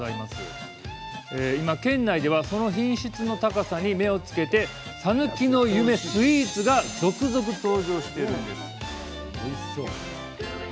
今、県内では、その品質の高さに目を付けてさぬきの夢スイーツが続々登場しているんです。